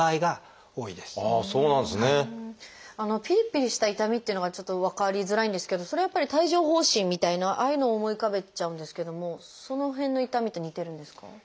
ピリピリした痛みっていうのがちょっと分かりづらいんですけどそれはやっぱり帯状疱疹みたいなああいうのを思い浮かべちゃうんですけどもその辺の痛みと似てるんですか？